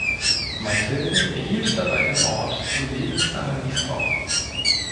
Mathilde erhielt dabei den Ort zu lebenslangem Nießbrauch.